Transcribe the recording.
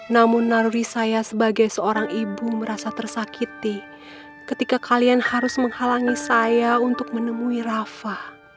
namun naruri saya sebagai seorang ibu merasa tersakiti ketika kalian harus menghalangi saya untuk menemui rafa